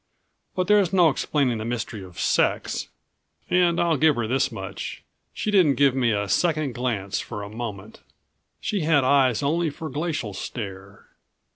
But there's no explaining the mystery of sex, and I'll give her this much she didn't give me a second glance for a moment. She had eyes only for Glacial Stare.